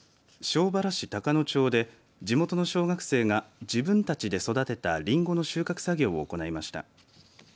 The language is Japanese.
庄原市高野町で地元の小学生が自分たちで育てたりんごの収穫作業を行いました。